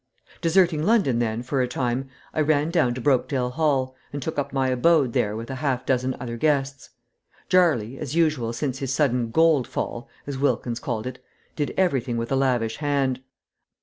Deserting London, then, for a time, I ran down to Brokedale Hall, and took up my abode there with a half dozen other guests. Jarley, as usual since his sudden "gold fall," as Wilkins called it, did everything with a lavish hand.